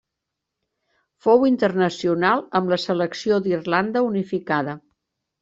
Fou internacional amb la selecció d'Irlanda unificada.